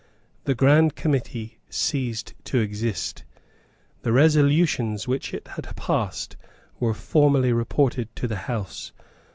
The Grand Committee ceased to exist. The resolutions which it had passed were formally reported to the House.